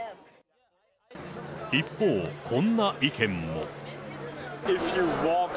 一方、こんな意見も。